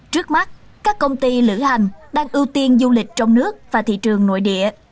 trước mắt các công ty lửa hành đang ưu tiên du lịch trong nước và thị trường nội địa